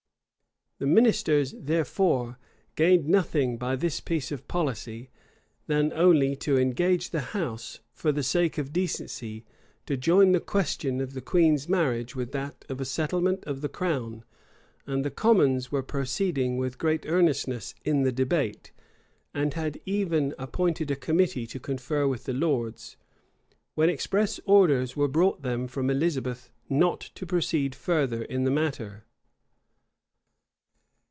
The ministers, therefore, gained nothing further by this piece of policy, than only to engage the house, for the sake of decency, to join the question of the queen's marriage with that of a settlement of the crown; and the commons were proceeding with great earnestness in the debate, and had even appointed a committee to confer with the lords, when express orders were brought them from Elizabeth not to proceed further in the matter.